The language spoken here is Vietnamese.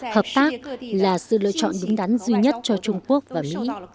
hợp tác là sự lựa chọn đúng đắn duy nhất cho trung quốc và mỹ